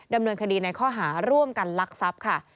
ดำเนินคดีในข้อหาร่วมกันลักทรัพย์ค่ะ